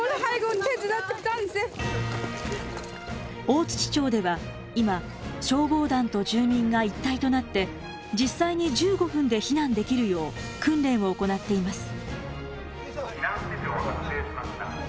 大町では今消防団と住民が一体となって実際に１５分で避難できるよう訓練を行っています。